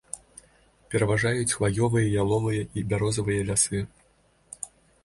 Пераважаюць хваёвыя, яловыя і бярозавыя лясы.